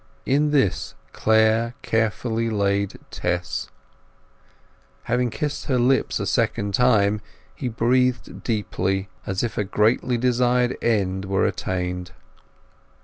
In this Clare carefully laid Tess. Having kissed her lips a second time he breathed deeply, as if a greatly desired end were attained.